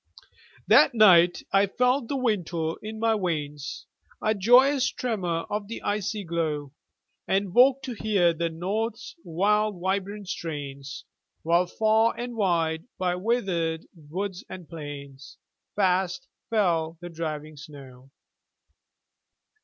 That night I felt the winter in my veins, A joyous tremor of the icy glow; And woke to hear the north's wild vibrant strains, While far and wide, by withered woods and plains, Fast fell the driving snow.